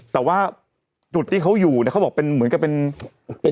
แต่ว่าจุดที่เขาอยู่เขาบอกเหมือนกับเป็น